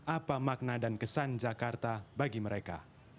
apa makna dan kesan jakarta bagi mereka